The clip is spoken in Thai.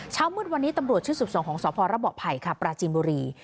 เช้ามืดวันนี้ตำรวจชื่อสุดส่งของสพระบบไผ่ค่ะปราจีมุรี